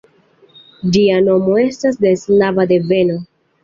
Ĝia nomo estas de slava deveno.